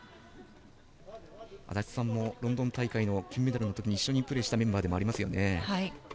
安達さんもロンドン大会の金メダルのときに一緒にプレーしたメンバーでもありますよね。